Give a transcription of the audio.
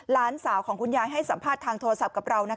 หลานสาวของคุณยายให้สัมภาษณ์ทางโทรศัพท์กับเรา